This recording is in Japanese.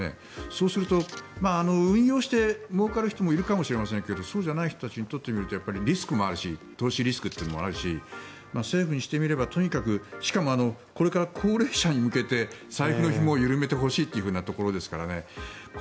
そうすると運用してもうかる人もいるかもしれませんがそうじゃない人たちにとってみれば投資リスクというのもあるし政府にしてみればしかも、これから高齢者に向けて財布のひもを緩めてほしいというところですからね。